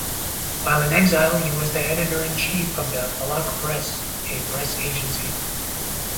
While in exile he was the editor-in-chief of the "Palach Press", a press agency.